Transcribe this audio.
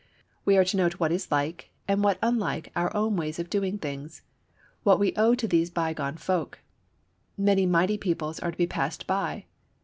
We are to note what is like and what unlike our own ways of doing things; what we owe to these bygone folk. Many mighty peoples are to be passed by.